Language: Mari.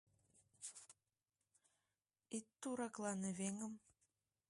— Ит тураклане, веҥым!